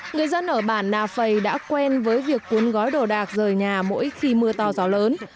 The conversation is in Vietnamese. người dân ở bản nà phầy đã quen với việc cuốn gói đồ đạc rời nhà mỗi khi mưa to gió lớn